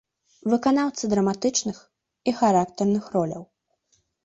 Выканаўца драматычных і характарных роляў.